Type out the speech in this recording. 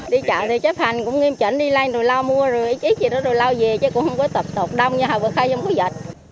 đi chợ thì chấp hành cũng nghiêm trình đi lai đồ lao mua rồi ít gì đó đồ lao về chứ cũng không có tập tục